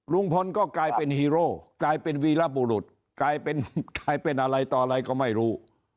ลุงพลก็กลายเป็นฮีโร่กลายเป็นวีรบุรุษกลายเป็นกลายเป็นอะไรต่ออะไรก็ไม่รู้